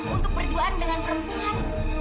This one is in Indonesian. untuk berduaan dengan perempuan